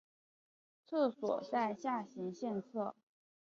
厕所在下行线侧。